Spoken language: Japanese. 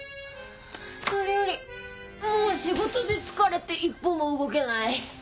それよりもう仕事で疲れて一歩も動けない。